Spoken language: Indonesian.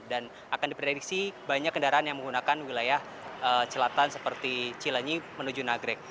dan akan diprediksi banyak kendaraan yang menggunakan wilayah selatan seperti cilinyi menuju nagrek